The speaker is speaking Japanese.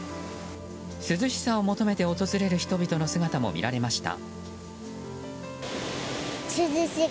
涼しさを求めて訪れる人々の姿も見られました。